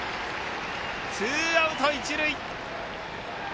ツーアウト、一塁。